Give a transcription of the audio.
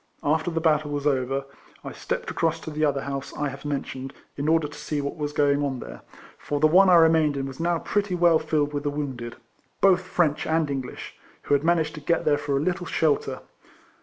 After the battle was over, I stepped across to the other house I have mentioned, in order to see what Avas going on there; for the one I remained in was now pretty well filled with the wounded (both French and English,) who had managed to get there for a little shelter.